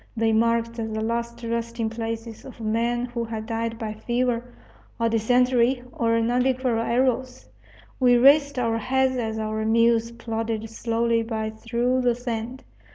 They marked the last resting places of men who had died by fever, or dysentery, or Nhambiquara arrows. We raised our hats as our mules plodded slowly by through the sand.